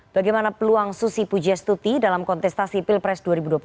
bagaimana peluang susi pujastuti dalam kontestasi pilpres dua ribu dua puluh empat